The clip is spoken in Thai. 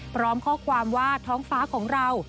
พร้อมข้อความว่าท้องฟ้าของเรา